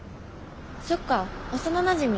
そっか幼なじみ。